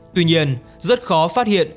tuy nhiên rất khó phát hiện